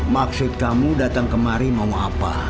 maksud kamu datang kemari mau apa